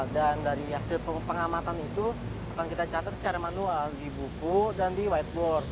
dan dari hasil pengamatan itu akan kita catat secara manual di buku dan di whiteboard